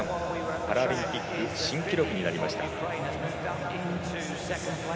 パラリンピック新記録になりました。